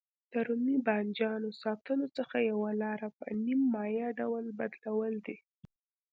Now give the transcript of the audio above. د رومي بانجانو ساتلو څخه یوه لاره په نیم مایع ډول بدلول دي.